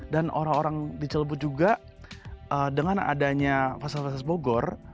dan orang orang di cilebut juga dengan adanya fasilitas fasilitas bogor